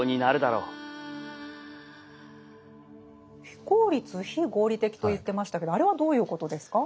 非効率非合理的と言ってましたけどあれはどういうことですか？